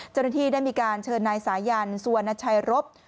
เจ้าหน้าที่ได้มีการเชิญนายสายันสุวรรณชัยรบ